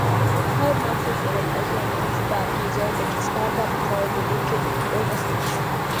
Five months later, he announced that he joined a startup called Liquid Robotics.